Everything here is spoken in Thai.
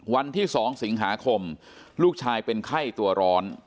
วันที่๒สิงหาคมลูกชายเป็นไข้ตัวร้อน